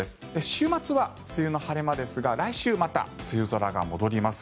週末は梅雨の晴れ間ですが来週また梅雨空が戻ります。